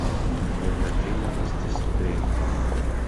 Lia patrino estis greko.